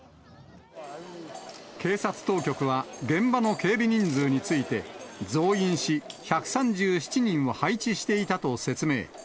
警察当局は、現場の警備人数について、増員し、１３７人を配置していたと説明。